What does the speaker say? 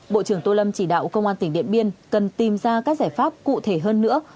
bộ trưởng tô lâm chỉ đạo công an tỉnh điện biên cần tìm ra các giải pháp cụ thể hơn nữa